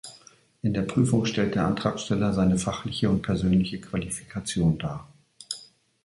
In der Prüfung stellt der Antragsteller seine fachliche und persönliche Qualifikation dar.